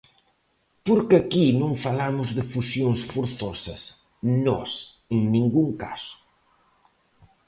Porque aquí non falamos de fusións forzosas nós en ningún caso.